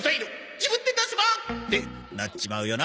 自分で出せば？」ってなっちまうよな。